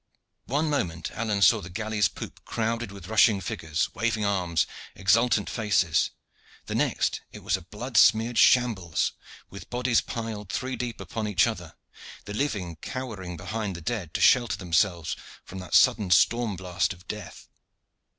One moment Alleyne saw the galley's poop crowded with rushing figures, waving arms, exultant faces; the next it was a blood smeared shambles, with bodies piled three deep upon each other, the living cowering behind the dead to shelter themselves from that sudden storm blast of death.